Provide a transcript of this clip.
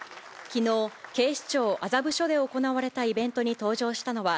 きのう、警視庁麻布署で行われたイベントに登場したのは、